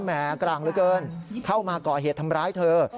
แห่กลางเหลือเกินเข้ามาก่อเหตุทำร้ายเธอ